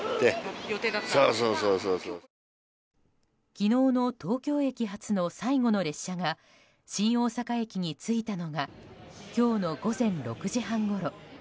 昨日の東京駅発の最後の列車が新大阪駅に着いたのが今日の午前６時半ごろ。